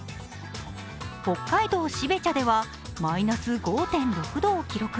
北海道標茶ではマイナス５．６度を記録。